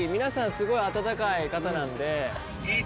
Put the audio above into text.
すごい温かい方なんで。